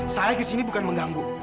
saya ke sini bukan mengganggu